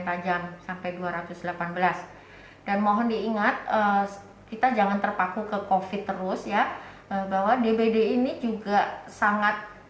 tajam sampai dua ratus delapan belas dan mohon diingat kita jangan terpaku ke kofit terus ya bahwa dbd ini juga sangat